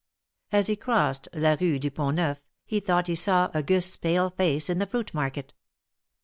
As he crossed la Eue du Pont Neuf, he thought he saw Auguste's pale face in the fruit market.